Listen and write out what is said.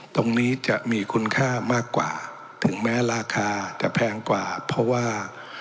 ตรงนี้จะมีคุณค่ามากกว่าถึงแม้ราคาจะแพงกว่าเพราะว่า